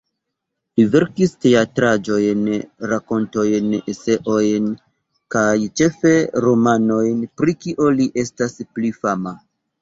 Li verkis teatraĵojn, rakontojn, eseojn kaj ĉefe romanojn, pri kio li estas pli fama.